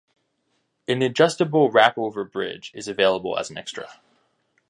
An adjustable wrapover bridge is available as an extra.